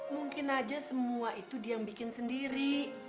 mungkin aja semua itu dia yang bikin sendiri